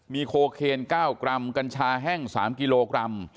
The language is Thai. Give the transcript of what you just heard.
มีโคเคน๙กรัมกัญชาแห้ง๓กิโลกรัม